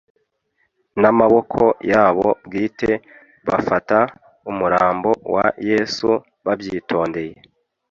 N'amaboko yabo bwite bafata umurambo wa Yesu babyitondeye